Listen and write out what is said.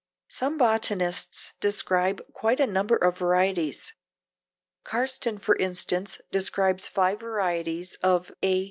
Some botanists describe quite a number of varieties. Karsten, for instance, describes five varieties of A.